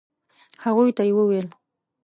هغوی ته يې وويل.